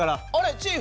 チーフ。